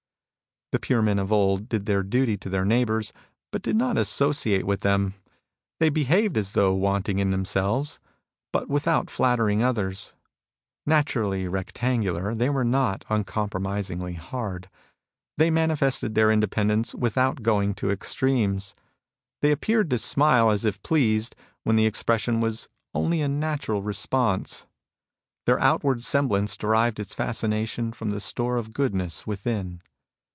••••• The pure men of old did their duty to their neighbours, but did not associate with them. They behaved as though wanting in themselves, but without flattering others. Naturally rect angular, they were not uncompromisingly hard. They manifested their independence without going to extremes. They appeared to smile as if pleased, when the expression was only a natural response. Their outward semblance derived its fascination from the store of goodness within.